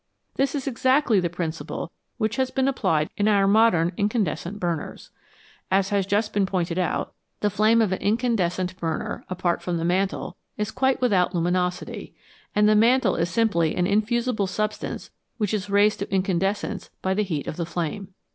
This is exactly the principle which has been applied in our modern incan descent burners. As has just been pointed out, the flame of an incandescent burner, apart from the mantle, is quite without luminosity, and the mantle is simply an infusible substance which is raised to incandescence by the heat of the flame.